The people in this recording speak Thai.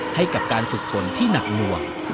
ให้กับการฝึกฝนที่หนักหน่วง